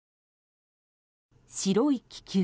白い気球。